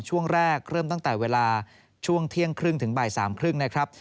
ช่วงแรกเริ่มตั้งแต่เวลาช่วงเที่ยงครึ่งถึงบ่าย๓๓๐นะครับ